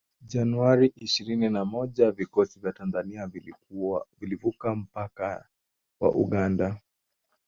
Januari ishirini na moja vikosi vya Tanzania vilivuka mpaka wa Uganda